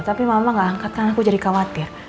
tapi mama gak angkat tangan aku jadi khawatir